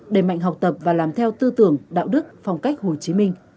đẩy mạnh học tập và làm theo tư tưởng đạo đức phong cách hồ chí minh